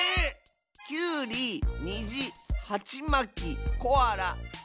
きゅうりにじはちまきコアラバナナ？